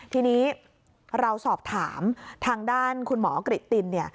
ทีนี้เราสอบถามทางด้านคุณหมอกริตติน